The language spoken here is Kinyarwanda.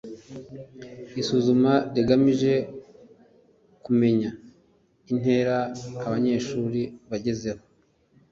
– Isuzuma rigamije kumenya intera abanyeshuri bagezeho